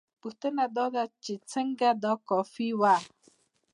پوښتنه دا ده چې څنګه دا کافي وه؟